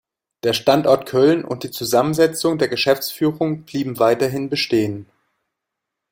Der Standort Köln und die Zusammensetzung der Geschäftsführung blieben weiterhin bestehen.